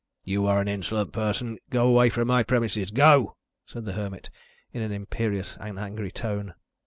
'" "You are an insolent person. Go away from my premises. Go!" said the Hermit, in an imperious and angry tone.